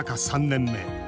３年目。